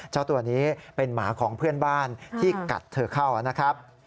เจ้าตัวนี้เป็นหมาของเพื่อนบ้านที่กัดเธอเข้านะครับ